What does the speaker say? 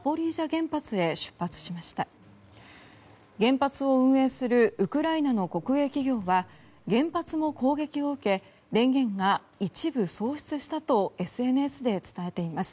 原発を運営するウクライナの国営企業は原発の攻撃を受け電源が一部喪失したとＳＮＳで伝えています。